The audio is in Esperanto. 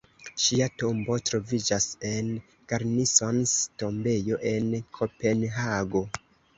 Ŝia tombo troviĝas en Garnisons-Tombejo, en Kopenhago.